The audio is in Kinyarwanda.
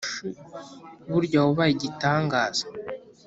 Burya wabaye igitangaza !